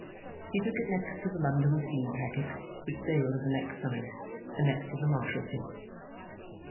He took it next to the London Steam Packet, which sailed in the night; and next to the Marshalsea.